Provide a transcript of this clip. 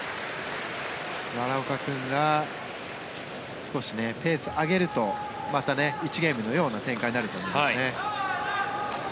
奈良岡君が少しペースを上げるとまた１ゲームのような展開になると思いますね。